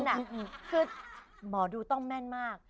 คือหมอดูต้องแม่นมาก